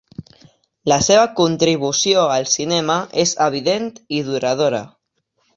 La seva contribució al cinema és evident i duradora.